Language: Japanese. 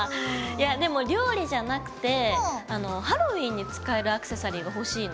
やでも料理じゃなくてあのハロウィーンに使えるアクセサリーが欲しいの。